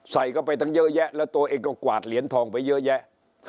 ใส่เข้าไปตั้งเยอะแยะแล้วตัวเองก็กวาดเหรียญทองไปเยอะแยะ